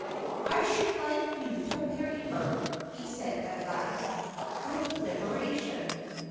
' 1 should like you to marry her,' he said at last, with delibera tion.